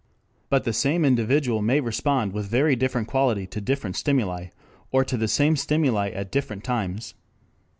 But the same individual may respond with very different quality to different stimuli, or to the same stimuli at different times.